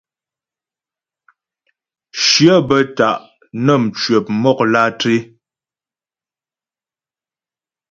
Shyə bə́ ta' nə́ mcwəp mɔk lǎtré.